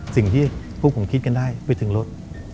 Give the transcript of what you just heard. สิ่งที่พูดขึ้นพวกคุณคิดกันได้วิ่งถึงรถ